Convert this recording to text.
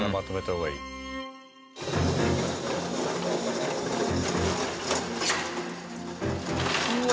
うわ！